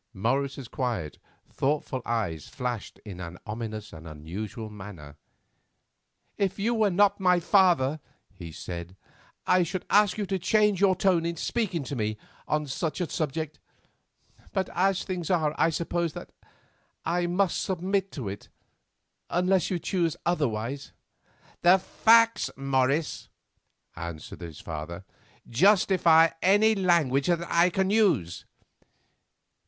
Morris's quiet, thoughtful eyes flashed in an ominous and unusual manner. "If you were not my father," he said, "I should ask you to change your tone in speaking to me on such a subject; but as things are I suppose that I must submit to it, unless you choose otherwise." "The facts, Morris," answered his father, "justify any language that I can use."